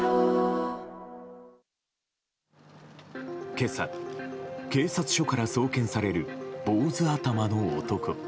今朝、警察署から送検される坊主頭の男。